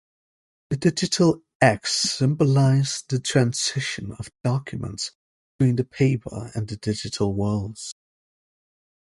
The digital X symbolized the transition of documents between the paper and digital worlds.